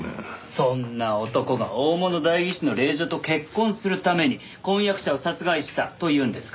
そんな男が大物代議士の令嬢と結婚するために婚約者を殺害したというんですか？